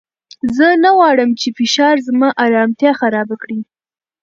زه نه غواړم چې فشار زما ارامتیا خراب کړي.